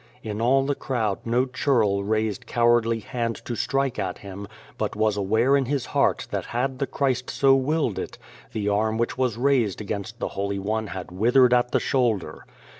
The Face In all the crowd no churl raised cowardly hand to strike at Him, but was aware in his heart that had the Christ so willed it, the arm which was raised against the Holy One had withered at the shoulder.